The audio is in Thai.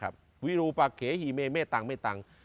บินูปะเขฮีเมเม้ตังโม้ตัง